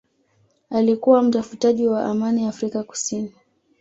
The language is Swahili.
alikuwa mtafutaji wa amani Afrika Kusini